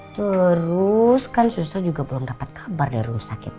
terus kan suster juga belum dapat kabar dari rumah sakit